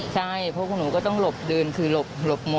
ใช่มันพวกหนูก็ถ้าหลบเดินก็หลบกันอยู่ได้เนี่ย